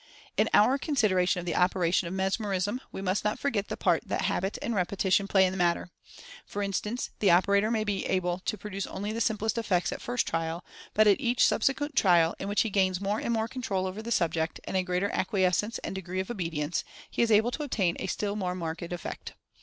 In our consideration of the operation of Mesmerism we must not forget the part that habit and repetition play in the matter. For instance, the operator may be able to produce only the simplest effects at first trial ; but at each subsequent trial, in which he gains more and more control over the subject, and a greater ac quiescence and degree of obedience, he is able to ob tain a still more marked effect.